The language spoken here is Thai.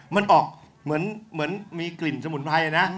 มันออกเหมือนมีกลิ่นสมุนไพรนะ